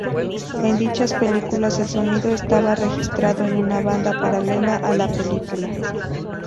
En dichas películas, el sonido estaba registrado en una banda paralela a la película.